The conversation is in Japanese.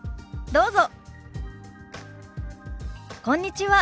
どうぞ。